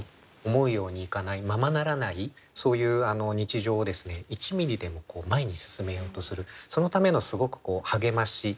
思うようにいかないままならないそういう日常を１ミリでも前に進めようとするそのためのすごく励まし。